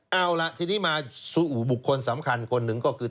เอาล่ะทีนี้มาซูอู่บุคคลสำคัญคนหนึ่งก็คือ